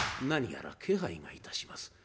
何やら気配がいたします。